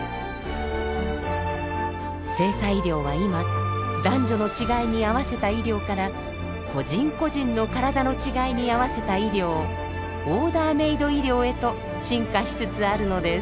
性差医療は今男女の違いに合わせた医療から個人個人の体の違いに合わせた医療オーダーメイド医療へと進化しつつあるのです。